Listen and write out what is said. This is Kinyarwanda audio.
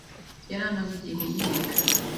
yari amaze igihe yiga